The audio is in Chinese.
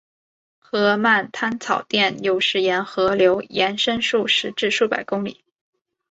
河漫滩草甸有时沿河流延伸数十至数百公里。